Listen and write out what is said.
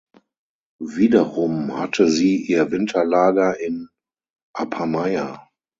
Wiederum hatte sie ihr Winterlager in Apameia.